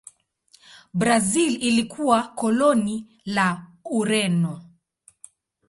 Brazil ilikuwa koloni la Ureno.